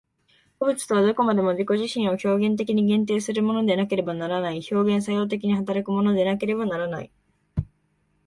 個物とはどこまでも自己自身を表現的に限定するものでなければならない、表現作用的に働くものでなければならない。